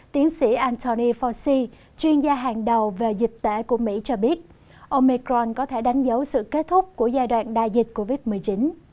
tiến sĩ anthony fauci chuyên gia hàng đầu về dịch tễ của mỹ cho biết omicron có thể đánh dấu sự kết thúc của giai đoạn đại dịch covid một mươi chín